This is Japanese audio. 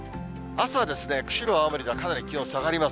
朝は釧路、青森がかなり気温下がります。